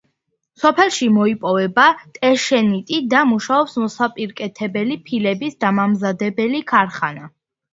სოფელში მოიპოვება ტეშენიტი და მუშაობს მოსაპირკეთებელი ფილების დამამზადებელი ქარხანა.